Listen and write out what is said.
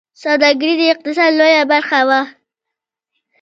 سوداګري د اقتصاد لویه برخه وه